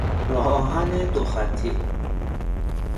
راهآهن دو خطی